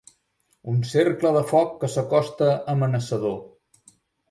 Un cercle de foc que s'acosta amenaçador.